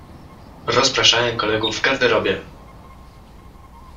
Rozpraszałem kolegów w garderobie.